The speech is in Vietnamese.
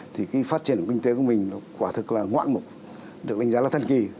thì phát triển kinh tế của mình quả thực là ngoạn mục được đánh giá là thần kỳ